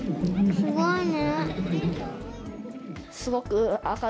すごいね。